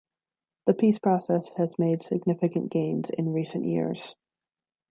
The peace process has made significant gains in recent years.